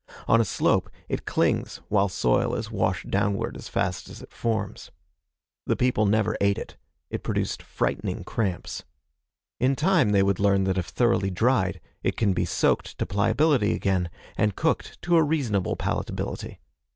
On a slope, it clings while soil is washed downward as fast as it forms. The people never ate it. It produced frightening cramps. In time they would learn that if thoroughly dried it can he soaked to pliability again and cooked to a reasonable palatability.